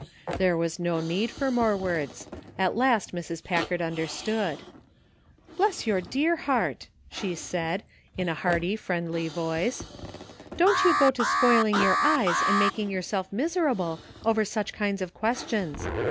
There was no need for more words; at last Mrs. Packard understood. " Bless your dear heart !" she said, in a hearty, friendly voice; "don't you go to spoil ing your eyes and making yourself miserable over such kinds of questions.